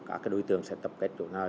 cả cái đối tượng sẽ tập kết tổ nào